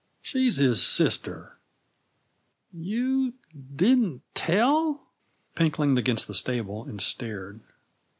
She's his sister." "You didn't tell!" Pink leaned against the stable and stared.